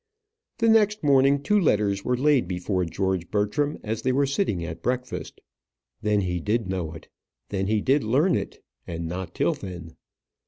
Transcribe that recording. The next morning two letters were laid before George Bertram as they were sitting at breakfast. Then he did know it; then he did learn it, and not till then.